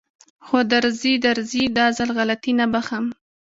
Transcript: خو درځي درځي دا ځل غلطي نه بښم.